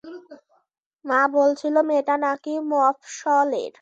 মা বলছিল - মেয়েটা নাকি মফস্বলের।